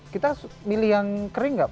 kita milih yang kering gak